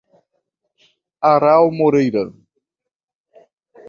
Aral Moreira